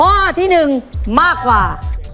แล้ววันนี้ผมมีสิ่งหนึ่งนะครับเป็นตัวแทนกำลังใจจากผมเล็กน้อยครับ